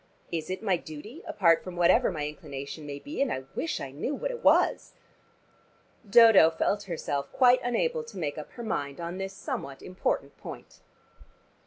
Is it my duty apart from whatever my inclination may be, and I wish I knew what it was?" Dodo felt herself quite unable to make up her mind on this somewhat important point.